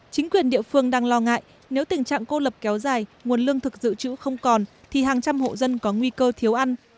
chính quyền địa phương đang lo ngại nếu tình trạng cô lập kéo dài nguồn lương thực dự trữ không còn thì hàng trăm hộ dân có nguy cơ thiếu ăn